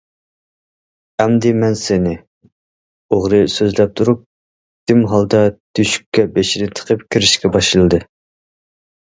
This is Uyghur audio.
ئەمدى مەن سېنى!... ئوغرى سۆزلەپ تۇرۇپ، دۈم ھالدا تۆشۈككە بېشىنى تىقىپ كىرىشكە باشلىدى.